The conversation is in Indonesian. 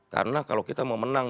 karena kalau kita mau menang